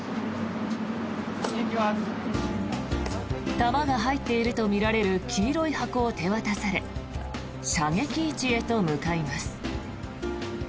弾が入っているとみられる黄色い箱を手渡され射撃位置へと向かいます。